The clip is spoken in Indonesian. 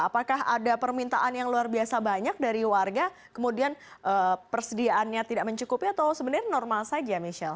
apakah ada permintaan yang luar biasa banyak dari warga kemudian persediaannya tidak mencukupi atau sebenarnya normal saja michelle